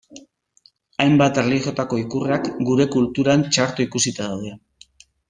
Hainbat erlijiotako ikurrak gure kulturan txarto ikusita daude.